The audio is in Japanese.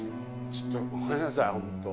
ちょっとごめんなさい本当。